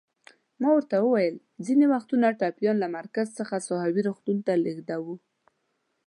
ما ورته وویل: ځینې وختونه ټپیان له مرکز څخه ساحوي روغتون ته لېږدوو.